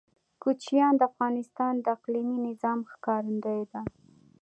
کوچیان د افغانستان د اقلیمي نظام ښکارندوی ده.